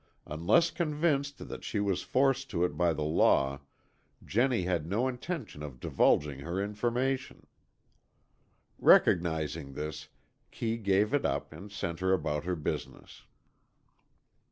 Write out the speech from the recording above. Unless convinced that she was forced to it by the law, Jennie had no intention of divulging her information. Recognizing this, Kee gave it up and sent her about her business.